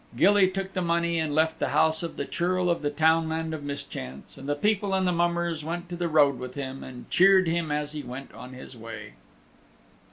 Gilly took the money and left the house of the Churl of the Townland of Mischance, and the people and the mummers went to the road with him, and cheered him as he went on his way.